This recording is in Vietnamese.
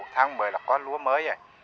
tháng một mươi là có lúa mới rồi